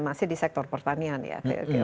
masih di sektor pertanian ya